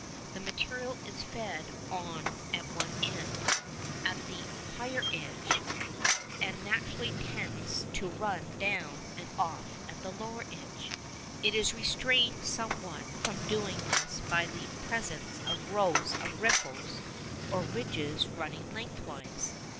The material is fed on at one end, at the higher edge, and naturally tends to run down and off at the lower edge. It is restrained somewhat from doing this by the presence of rows of riffles or ridges running lengthwise.